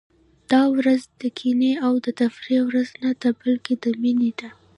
دا ورځ د کینې او د نفرت ورځ نه ده، بلکې د مینې ده.